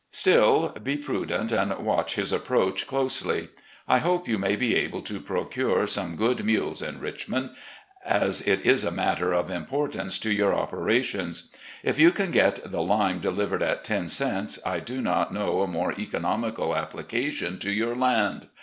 Still be prudent and watch his approach closely. I hope you may be able to procure some good mules in Richmond, as it is a matter of importance to your operations. If you can get the lime delivered at ten cents, I do not know a more economical application to your land.